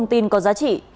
những thông tin có giá trị